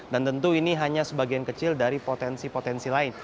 dan tentu ini hanya sebagian kecil dari potensi potensi